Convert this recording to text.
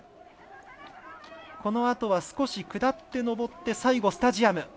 このあとは少し下って上って最後スタジアム。